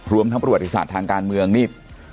รวมทั้งประวัติศาสตร์ทางการเมืองนี่